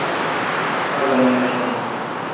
آگا نہ مچون۔